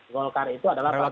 golkar itu adalah partai